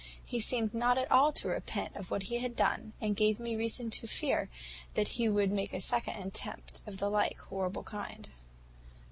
He seemed not at all to repent of what he had done, and gave me reason to fear he would soon make a second attempt of the like horrible kind.